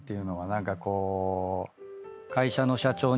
何かこう。